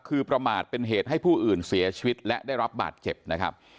คือประมาทเป็นเหตุให้ผู้อื่นเสียชีวิตและได้รับบาดเจ็บนะครับ